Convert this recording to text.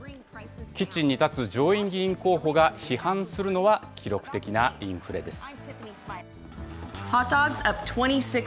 キッチンに立つ上院議員候補が批判するのは記録的なインフレです。